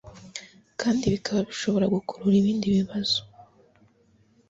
kandi bikaba bishobora gukurura ibindi bibazo